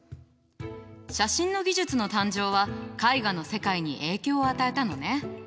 写真の技術の誕生は絵画の世界に影響を与えたのね。